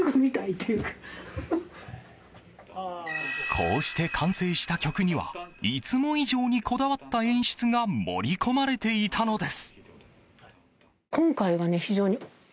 こうして完成した曲にはいつも以上にこだわった演出が盛り込まれていたのです。